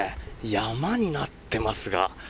山になっていますが。